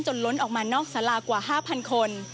ล้นออกมานอกสารากว่า๕๐๐คน